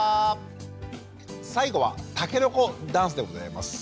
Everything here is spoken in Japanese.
最後はタケノコダンスでございます。